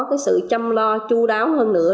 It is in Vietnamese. có sự chăm lo chú đáo hơn nữa